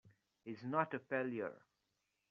He's not a failure!